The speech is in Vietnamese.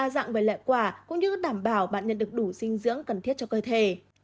cũng như đảm bảo bạn nhận được đủ dinh dưỡng cần thiết cho cơ thể